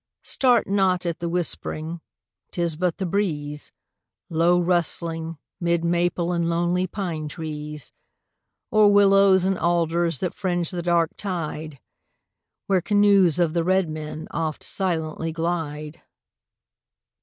Start not at the whispering, 'tis but the breeze, Low rustling, 'mid maple and lonely pine trees, Or willows and alders that fringe the dark tide Where canoes of the red men oft silently glide.